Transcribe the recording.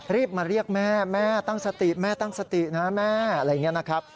รีบมาเรียกแม่แม่ตั้งสติแม่ตั้งสตินะแม่อะไรอย่างนี้นะครับ